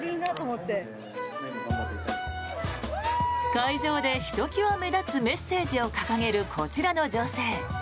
会場でひときわ目立つメッセージを掲げるこちらの女性。